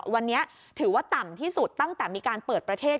วันนี้ถือว่าต่ำที่สุดตั้งแต่มีการเปิดประเทศ